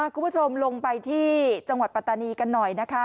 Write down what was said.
คุณผู้ชมลงไปที่จังหวัดปัตตานีกันหน่อยนะคะ